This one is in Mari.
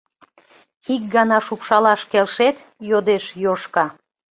— Ик гана шупшалаш келшет? — йодеш Йошка.